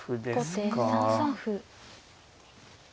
後手３三歩。